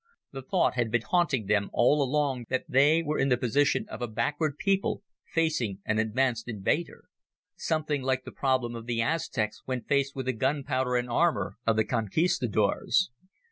The thought had been haunting them all along that they were in the position of a backward people facing an advanced invader something like the problem of the Aztecs when faced with the gunpowder and armor of the conquistadors.